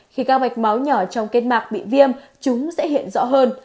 khi các mạch máu nhỏ trong kết mạc bị viêm chúng sẽ hiện rõ hơn